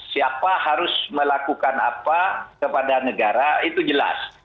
siapa harus melakukan apa kepada negara itu jelas